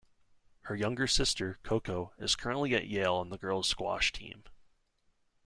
Her younger sister, Coco, is currently at Yale on the girls Squash team.